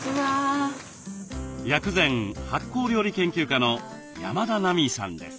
薬膳・発酵料理研究家の山田奈美さんです。